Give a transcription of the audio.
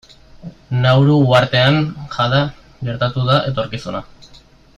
Nauru uhartean jada gertatu da etorkizuna.